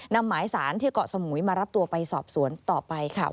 นำหมายสารที่เกาะสมุยมารับตัวไปสอบสวนต่อไปค่ะ